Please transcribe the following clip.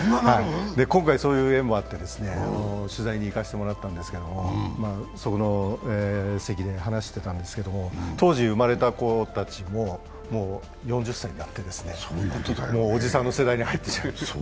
今回、その縁もあって取材に行かせてもらったんですけれどもその席で話していたんですが当時生まれた子たちも、もう４０歳になって、もうおじさんの世代に入ってしまいました。